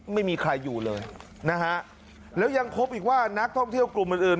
ไม่มีใครอยู่เลยนะฮะแล้วยังพบอีกว่านักท่องเที่ยวกลุ่มอื่นอื่น